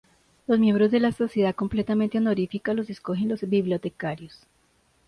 Los miembros de la sociedad -completamente honorífica- los escogen los bibliotecarios.